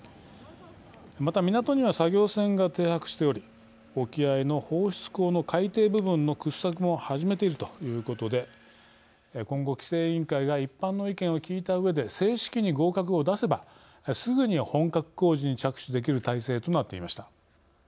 また港には作業船が停泊しており沖合の放出口の海底部分の掘削も始めているということで今後、規制委員会が一般の意見を聞いたうえで正式に合格を出せばすぐに本格工事に着手できる態勢となっていました。